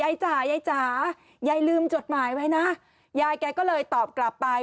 จ๋ายายจ๋ายายลืมจดหมายไว้นะยายแกก็เลยตอบกลับไป